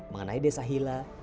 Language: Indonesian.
mengenai desa hila